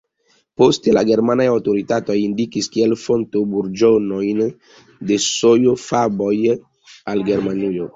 Poste la germanaj aŭtoritatoj indikis kiel fonto burĝonojn de sojo-faboj el Germanio.